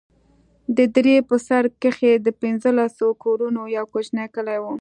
د درې په سر کښې د پنځلسو كورونو يو كوچنى كلى و.